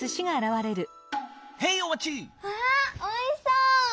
わあおいしそう！